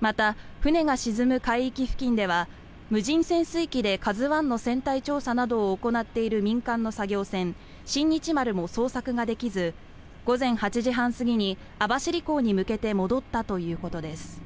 また、船が沈む海域付近では無人潜水機で「ＫＡＺＵ１」の船体調査などを行っている民間の作業船「新日丸」も捜索ができず午前８時半過ぎに網走港に向けて戻ったということです。